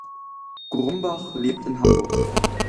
Grumbach lebt in Hamburg.